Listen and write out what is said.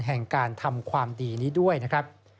แห่งการทำความดีนี้ด้วยนะครับ